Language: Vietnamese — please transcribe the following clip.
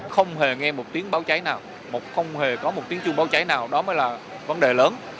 không hề nghe một tiếng báo cháy nào mà không hề có một tiếng chuông báo cháy nào đó mới là vấn đề lớn